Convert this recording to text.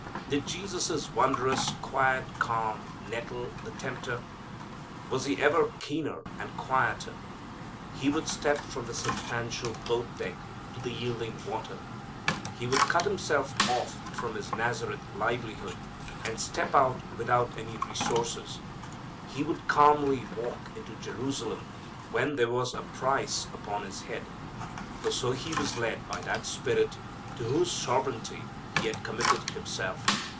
Did Jesus' wondrous, quiet calm nettle the tempter? Was He ever keener and quieter? He would step from the substantial boat deck to the yielding water, He would cut Himself off from His Nazareth livelihood and step out without any resources, He would calmly walk into Jerusalem when there was a price upon His head, for so He was led by that Spirit to whose sovereignty He had committed Himself.